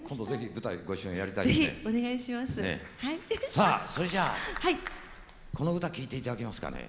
さあそれじゃあこの歌聴いていただきますかね。